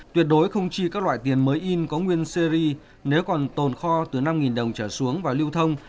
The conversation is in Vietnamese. tuyệt đối không chi các loại tiền mới in có nguyên series nếu còn tồn kho từ năm đồng trở xuống và lưu thông